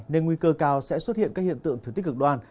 nên nguy cơ cao sẽ xuất hiện các hiện tượng thực tích cực đoan